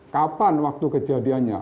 kapan waktu kejadiannya